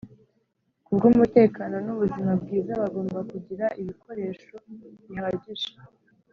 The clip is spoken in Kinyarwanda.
kubw umutekano n ubuzima bwiza Bagomba kugira ibikoresho bihagije